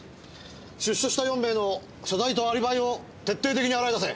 出所した４名の所在とアリバイを徹底的に洗い出せ。